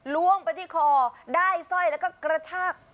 ล่วงไปที่คอได้สร้อยแล้วก็กระชาก